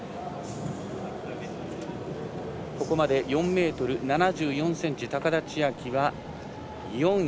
ここまで４ｍ７４ｃｍ高田千明は４位。